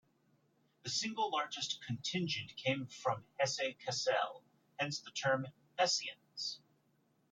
The single largest contingent came from Hesse-Kassel, hence the term "Hessians".